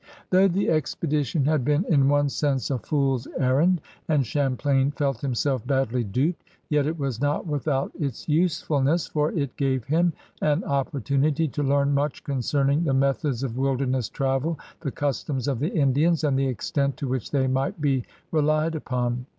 Though the expedition had been in one sense a fool's errand and Champlain felt himself badly duped, yet it was not without its usefulness, for it gave him an opportunity to learn much concerning the methods of wilderness travel, the customs of the Indians and the extent to which they might be relied upon.